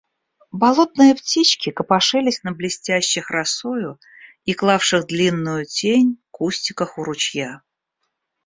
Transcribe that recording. Болотные птички копошились на блестящих росою и клавших длинную тень кустиках у ручья.